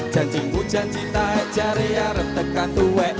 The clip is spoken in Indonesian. janji mu janji tak jari harap tekan tuwe